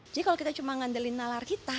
jadi kalau kita cuma ngandelin nalar kita